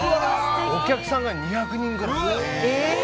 お客さんが２００人ぐらい。